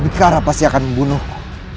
abhikara pasti akan membunuhmu